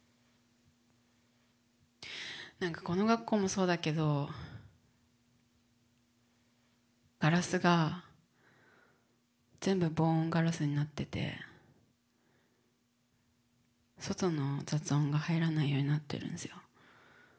何かこの学校もそうだけどガラスが全部防音ガラスになってて外の雑音が入らないようになってるんですよ。